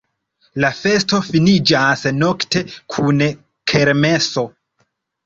La festo finiĝas nokte kun kermeso.